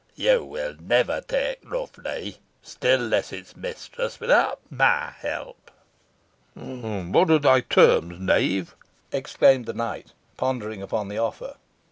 You will never take Rough Lee, still less its mistress, without my help." "What are thy terms, knave?" exclaimed the knight, pondering upon the offer.